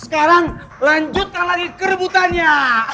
sekarang lanjutkan lagi kerbutannya